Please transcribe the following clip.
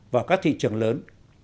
vào các thị trường lớn